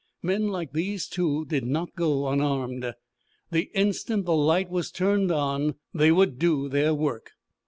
Men like these two did not go unarmed. The instant the light was turned on they would do their work.